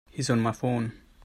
He's on my phone.